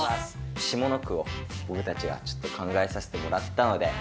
下の句を僕たちはちょっと考えさせてもらったので。